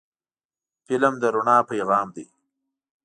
فلم د رڼا پیغام دی